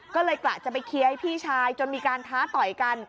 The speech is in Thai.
ก็เลยกะจะไปเคลียร์ให้พี่ชายจนมีการท้าต่อยกัน